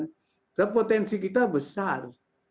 karena potensi kita besar